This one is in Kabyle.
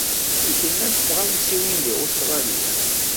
Amek llant tɣawsiwin deg Ustṛalya?